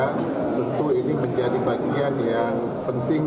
tentu ini menjadi bagian yang penting